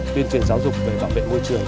tuyên truyền giáo dục về bảo vệ môi trường